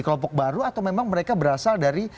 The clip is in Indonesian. kelompok baru atau memang mereka berasal dari